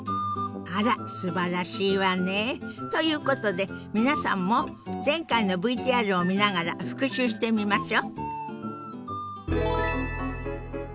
あらすばらしいわね。ということで皆さんも前回のＶＴＲを見ながら復習してみましょ。